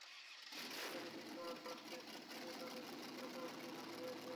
সেখানে বৃত্ত আর্ট ট্রাস্টের শিল্পীরা তাঁদের বিচিত্র কাজ নিয়ে হাজির হয়েছেন।